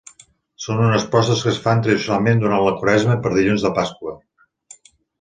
Són unes postres que es fan tradicionalment durant la Quaresma i per Dilluns de Pasqua.